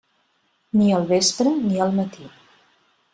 Ni al vespre ni al matí.